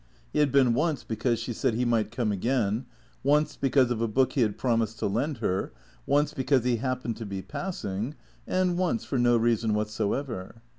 He had been once because she said he might come again; once because of a book he had promised to lend her; once because he happened to be passing; and once for no reason whatsoever.